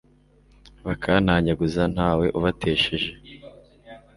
bakantanyaguza, nta we ubatesheje